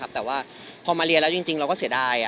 แต่ว่าพอมาเรียนแล้วจริงเราก็เสียดาย